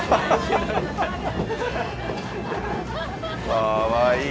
かわいい。